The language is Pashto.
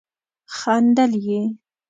خندل يې.